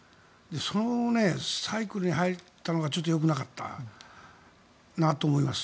そのサイクルに入ったのがちょっと良くなかったなと思います。